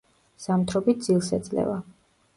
ზამთრობით ძილს ეძლევა.